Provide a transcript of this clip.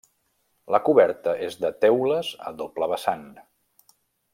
La coberta és de teules a doble vessant.